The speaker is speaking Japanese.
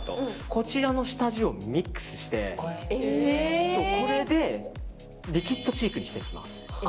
こちらの下地をミックスしてこれでリキッドチークにしていきます。